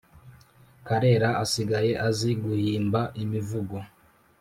karera asigaye azi guhimba imivugo